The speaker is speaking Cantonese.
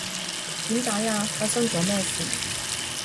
點解呀？發生咗咩事？